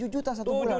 tujuh juta satu bulan